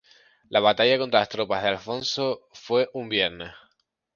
La batalla contra las tropas de Alfonso fue un viernes.